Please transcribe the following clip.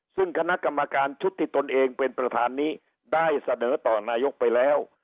ซึ่งคณะกรรมการชุดที่ตนเองเป็นประธานนี้ได้เสนอต่อนายกไปแล้ว